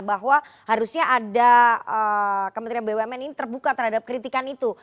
bahwa harusnya ada kementerian bumn ini terbuka terhadap kritikan itu